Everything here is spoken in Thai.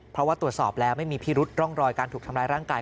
เพราะว่าตรวจสอบแล้วไม่มีพิรุษร่องรอยการถูกทำร้ายร่างกาย